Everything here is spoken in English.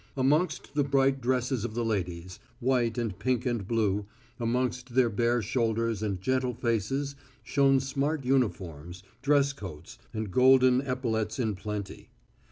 Amongst the bright dresses of the ladies, white and pink and blue, amongst their bare shoulders and gentle faces shone smart uniforms, dress coats, and golden epaulettes in plenty.